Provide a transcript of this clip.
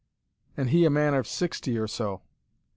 And he a man of sixty or so.